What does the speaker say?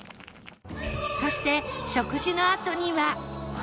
そして食事のあとには